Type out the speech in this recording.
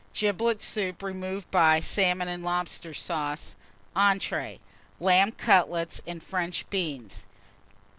Giblet Soup, removed by Salmon and Lobster Sauce. Entrées. Lamb Cutlets and French Beans.